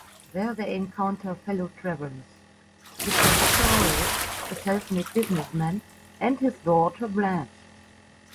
There, they encounter fellow travelers: Mr Sartorius, a self-made businessman, and his daughter Blanche.